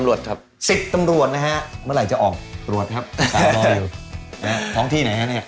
อันนี้